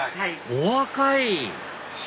お若い！